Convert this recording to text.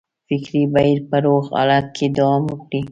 فکري بهیر په روغ حالت کې دوام وکړي.